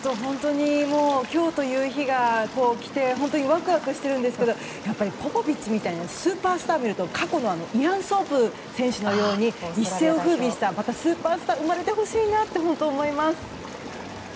今日という日が来てワクワクしているんですがポポビッチみたいなスーパースターを見ると過去のイアン・ソープ選手のように一世を風靡したスーパースターがまた生まれてほしいなと思います。